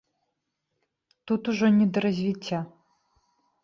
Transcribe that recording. Тут ужо не да развіцця.